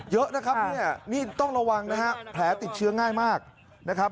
เยอะนะครับเนี่ยนี่ต้องระวังนะฮะแผลติดเชื้อง่ายมากนะครับ